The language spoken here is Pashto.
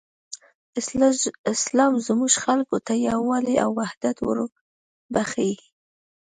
اسلام زموږ خلکو ته یووالی او حدت وروباښه.